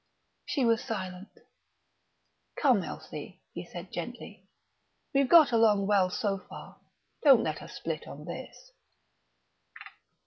She was silent. "Come, Elsie," he said gently. "We've got along well so far; don't let us split on this."